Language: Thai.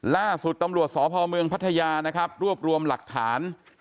ล่าสุดตำรวจสพพัทยารวบรวมหลักฐาน